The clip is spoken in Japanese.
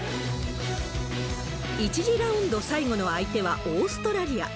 １次ラウンド最後の相手はオーストラリア。